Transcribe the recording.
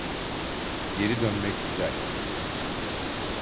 Geri dönmek güzel.